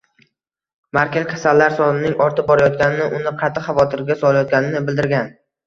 Merkel kasallar sonining ortib borayotgani uni qattiq xavotirga solayotganini bildirgan